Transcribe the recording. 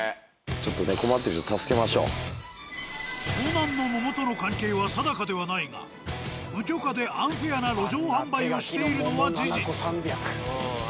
ちょっとね盗難の桃との関係は定かではないが無許可でアンフェアな路上販売をしているのは事実。